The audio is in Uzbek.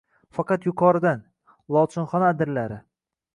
Faqat yuqoridan – lochinxona adirlari